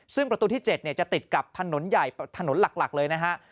ซึ่งประตูที่๗จะติดกับถนนใหญ่ถนนหลักเลยนะฮะ